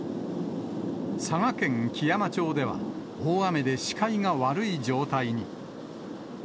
佐賀県基山町では大雨で視界が悪い状態に。